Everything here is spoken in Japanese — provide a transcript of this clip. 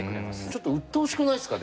ちょっとうっとうしくないですか？